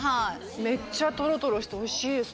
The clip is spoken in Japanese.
めっちゃトロトロしておいしいですね。